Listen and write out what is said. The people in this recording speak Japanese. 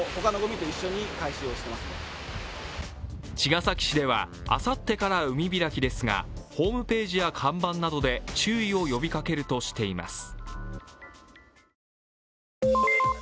茅ヶ崎市では、あさってから海開きですがホームページや看板などで注意を呼びかけるとしています。